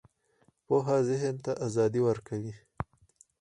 پوهه ذهن ته ازادي ورکوي